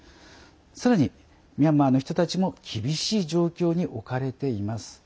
さらにミャンマーの人たちも厳しい状況に置かれています。